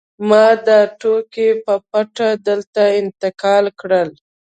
ما دا توکي په پټه دلته انتقال کړل